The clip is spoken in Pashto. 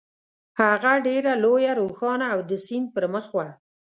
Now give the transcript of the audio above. هغه ډېره لویه، روښانه او د سیند پر مخ وه.